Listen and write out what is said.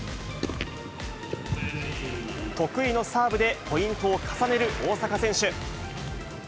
得意のサーブでポイントを重ねる大坂選手。